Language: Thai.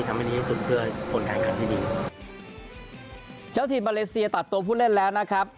ทำให้ดีที่สุดเพื่อผลการแข่งขันที่ดีเจ้าทีมมาเลเซียตัดตัวผู้เล่นแล้วนะครับ